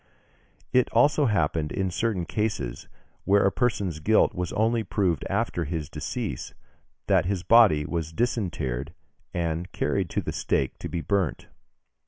It also happened in certain cases, where a person's guilt was only proved after his decease, that his body was disinterred, and carried to the stake to be burnt.